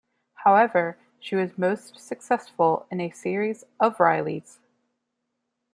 However, she was most successful in a series of Rileys.